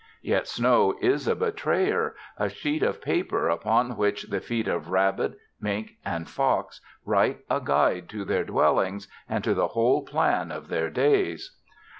Yet snow is a betrayer, a sheet of paper upon which the feet of rabbit, mink, and fox write a guide to their dwellings and to the whole plan of their days.